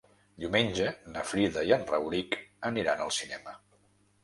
Diumenge na Frida i en Rauric aniran al cinema.